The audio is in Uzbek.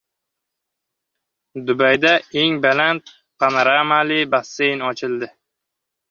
Dubayda dunyodagi eng baland panoramali basseyn ochildi